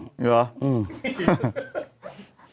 ใช่หรออืมฮ่า